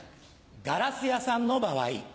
ガラス屋さんの場合。